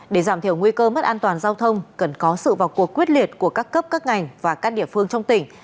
để giảm thiểu nguy cơ mất an toàn giao thông cần có sự vào cuộc quyết liệt của các cấp các ngành và các địa phương trong tỉnh